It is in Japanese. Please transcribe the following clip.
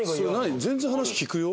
全然話聞くよ。